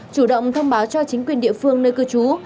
chủ động thông báo cho chính quyền địa phương nơi cư trú